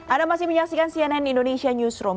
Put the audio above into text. anda masih menyaksikan cnn indonesia newsroom